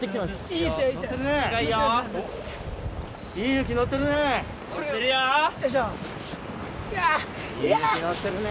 いい雪のってるね。